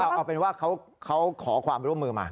เอาเป็นว่าเขาขอความร่วมมือมา